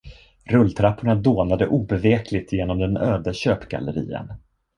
Rulltrapporna dånade obevekligt genom den öde köpgallerian.